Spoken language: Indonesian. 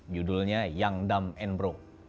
yaudulnya young dumb and broke